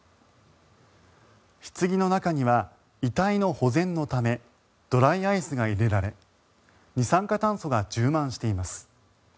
ひつぎの中には遺体の保全のためドライアイスが入れられ二酸化炭素が充満しています。